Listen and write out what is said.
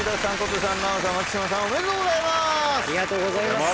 おめでとうございます！